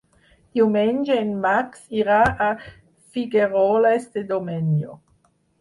Diumenge en Max irà a Figueroles de Domenyo.